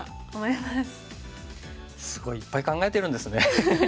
すごいいっぱい考えてるんですね。